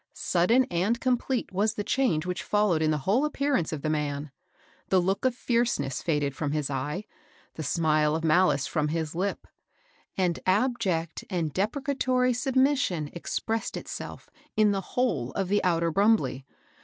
Sudden and complete was the change which followed in the whole appearance of the man. The look of fierceness faded from his eye, the smile of malice firom his lip, and abject and depre catory submission expressed itself in the whole of the outer Brumbley.